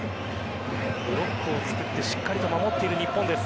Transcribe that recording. ブロックを作ってしっかりと守っている日本です。